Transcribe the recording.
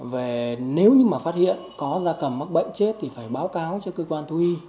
về nếu như mà phát hiện có gia cầm mắc bệnh chết thì phải báo cáo cho cơ quan thú y